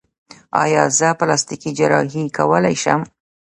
ایا زه پلاستیکي جراحي کولی شم؟